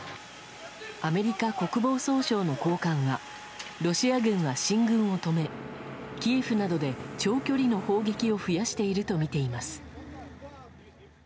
アメリカ国防総省の高官はロシア軍は進軍を止めキエフなどで長距離の砲撃を増やしているとみています。